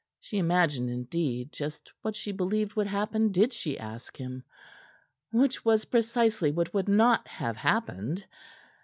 She imagined, indeed, just what she believed would happen did she ask him; which was precisely what would not have happened.